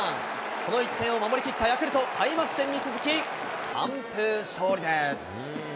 この１点を守り切ったヤクルト、開幕戦に続き完封勝利です。